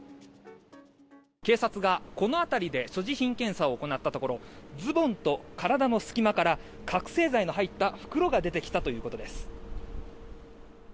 警察がこの辺りで所持品検査を行ったところズボンと体の隙間から覚醒剤の入った袋が出てきたということです。